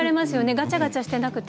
ガチャガチャしてなくて。